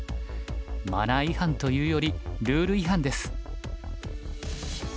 マナー違反というよりルール違反です。